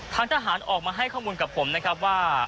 ทางทหารออกมาให้ข้อมูลกับผมนะครับว่า